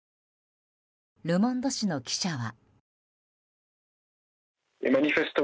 ル・モンド紙の記者は。